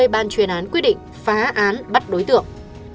ban chuyên án quyết định phá án bắt đối tượng